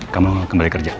kamu kembali kerja